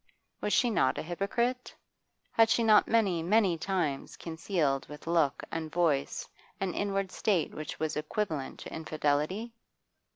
Was she not a hypocrite? Had she not many, many times concealed with look and voice an inward state which was equivalent to infidelity?